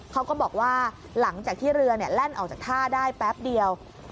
เขาก็บอกว่าหลังจากที่เรือแล่นออกจากท่าได้แป๊บเดียว